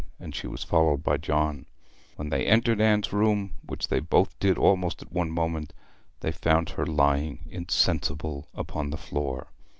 and she was followed by John. When they entered Anne's room, which they both did almost at one moment, they found her lying insensible upon the floor.